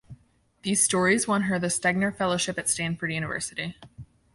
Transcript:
These stories won her the Stegner Fellowship at Stanford University.